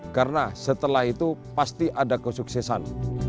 karena setelah itu pasti ada kesuksesan